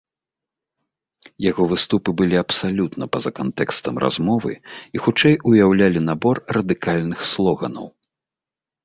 Яго выступы былі абсалютна па-за кантэкстам размовы, і хутчэй уяўлялі набор радыкальных слоганаў.